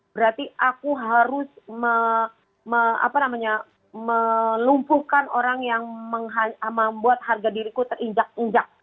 berarti aku harus melumpuhkan orang yang membuat harga diriku terinjak injak